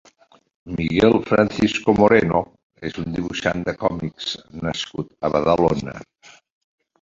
Miguel Francisco Moreno és un dibuixant de còmics nascut a Badalona.